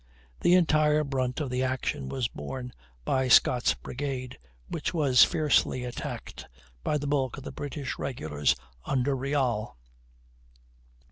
The entire brunt of the action was borne by Scott's brigade, which was fiercely attacked by the bulk of the British regulars under Riall.